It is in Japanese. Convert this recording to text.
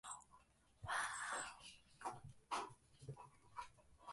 夏は午前に二時間と、午後に二時間ずつ、草を食べさせてもらいますが、この規則を親たちもきちんと守ります。